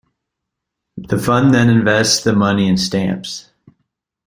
The fund then invests the money in stamps.